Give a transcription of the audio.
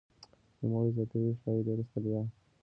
نوموړی زیاتوي "ښايي ډېره ستړیا